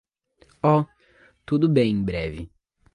Oh, tudo bem em breve.